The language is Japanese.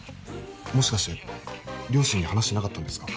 もしかして両親に話してなかったんですか？